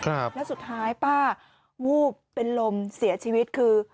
แล้วสุดท้ายป้าเป็นลมเสียชีวิตคือ